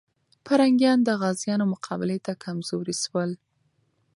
پرنګیان د غازيانو مقابلې ته کمزوري سول.